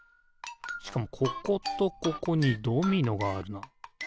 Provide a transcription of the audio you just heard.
しかもこことここにドミノがあるな。